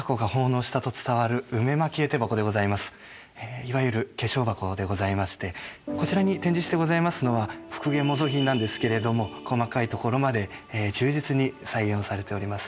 いわゆる化粧箱でございましてこちらに展示してございますのは復元模造品なんですけれども細かいところまで忠実に再現をされております。